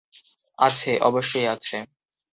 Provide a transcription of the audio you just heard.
আছে অবশ্যই আছে।